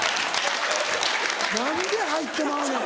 何で入ってまうねん。